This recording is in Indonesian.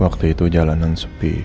waktu itu jalanan sepi